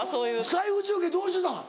台風中継どうしてたん？